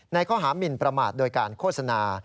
ในข้อหามินประมาทโดยการโฆษณา